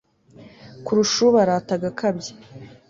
kurusha ubarata agakabya